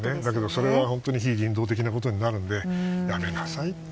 それは本当に非人道的なことになるのでやめなさい。